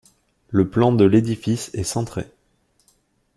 Le plan de l’édifice est centré.